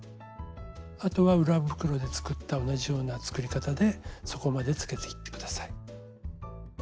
あとは裏袋で作った同じような作り方で底までつけていって下さい。